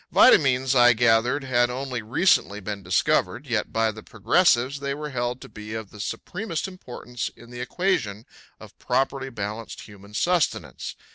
Vitamines, I gathered, had only recently been discovered, yet by the progressives they were held to be of the supremest importance in the equation of properly balanced human sustenance.